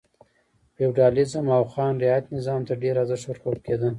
فیوډالېزم او خان رعیت نظام ته ډېر ارزښت ورکول کېده.